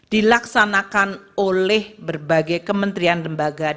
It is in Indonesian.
dilaksanakan oleh berbagai kementerian lembaga